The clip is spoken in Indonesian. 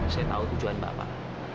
saya tahu tujuan bapak